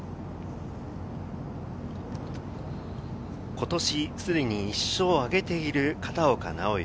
今年すでに１勝を挙げている片岡尚之。